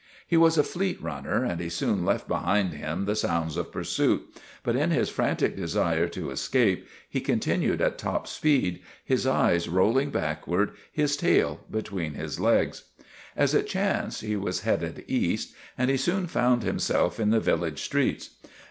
He was a fleet runner and he soon left behind him the sounds of pursuit, but in his frantic desire to escape he continued at top speed, his eyes rolling backward, his tail between his legs. As it chanced, he was headed east, and he soon found himself in the village streets.